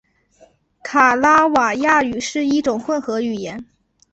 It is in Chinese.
卡拉瓦亚语是一种混合语言。